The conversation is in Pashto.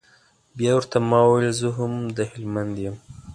بيا ورته ما وويل زه هم د هلمند يم.